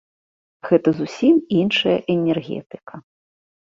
Гэта зусім іншая энергетыка.